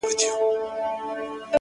ددې ښـــــار څــــو ليونـيـو،